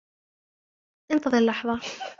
انتظر لحظة.